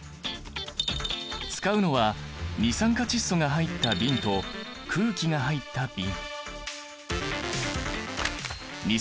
使うのは二酸化窒素が入った瓶と空気が入った瓶。